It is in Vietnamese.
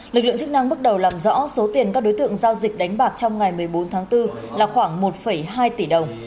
lực lượng chức năng bước đầu làm rõ số tiền các đối tượng giao dịch đánh bạc trong ngày một mươi bốn tháng bốn là khoảng một hai tỷ đồng